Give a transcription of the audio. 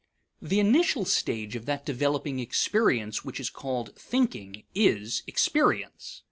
The initial stage of that developing experience which is called thinking is experience.